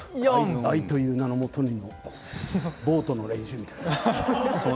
「愛という名のもとに」のボートの練習みたい。